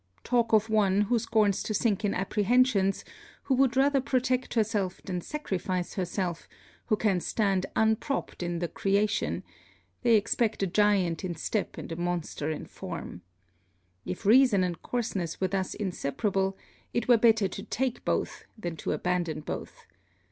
Talk of one, who scorns to sink in apprehensions, who would rather protect herself than sacrifice herself, who can stand unpropped in the creation, they expect a giant in step and a monster in form. If reason and coarseness were thus inseparable, it were better to take both than to abandon both.